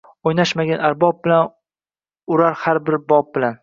O’ynashmagil arbob bilan seni urar har bob bilan